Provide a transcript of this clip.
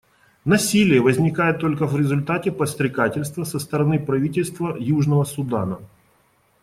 Насилие возникает только в результате подстрекательства со стороны правительства Южного Судана.